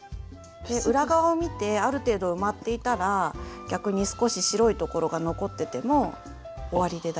裏側を見てある程度埋まっていたら逆に少し白いところが残ってても終わりで大丈夫だと思います。